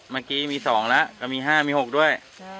เมื่อกี้มีสองแล้วก็มีห้ามีหกด้วย